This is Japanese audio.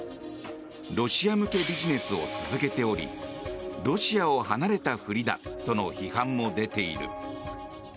ロシア向けビジネスを続けておりロシアを離れたふりだとの批判も出ている。